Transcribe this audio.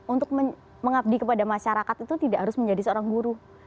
untuk mengabdi kepada masyarakat itu tidak harus menjadi seorang guru